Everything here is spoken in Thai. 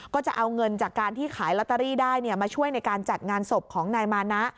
ก็จะเอาเงินจากการที่ขายลอตเตอรี่ได้มาช่วยในการจัดงานศพของนายมานะ